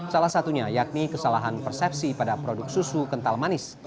salah satunya yakni kesalahan persepsi pada produk susu kental manis